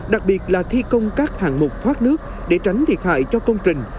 đặc biệt là thi công các hạng mục thoát nước để tránh thiệt hại cho công trình